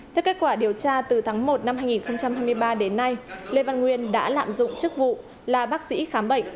theo kết quả điều tra từ tháng một năm hai nghìn hai mươi ba đến nay lê văn nguyên đã lạm dụng chức vụ là bác sĩ khám bệnh